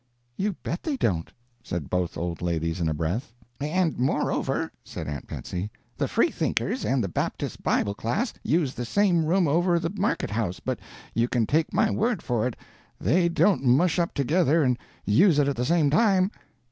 "You bet they don't!" said both old ladies in a breath. "And, moreover," said Aunt Betsy, "the Freethinkers and the Baptist Bible class use the same room over the Market house, but you can take my word for it they don't mush up together and use it at the same time.'